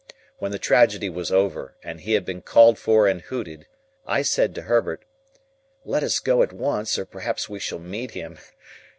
When the tragedy was over, and he had been called for and hooted, I said to Herbert, "Let us go at once, or perhaps we shall meet him."